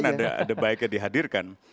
mungkin ada baiknya dihadirkan